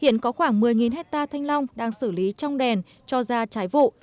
hiện có khoảng một mươi hectare thanh long đang xử lý trong đèn cho ra trái vụ